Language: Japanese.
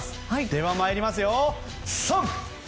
では参りますよ。